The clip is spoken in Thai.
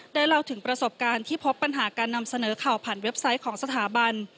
เล่าถึงประสบการณ์ที่พบปัญหาการนำเสนอข่าวผ่านเว็บไซต์ของสถาบัน